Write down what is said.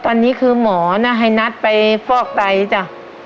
ตอนนี้คือหมอน่ะให้นัดไปฟอกไตจ้ะ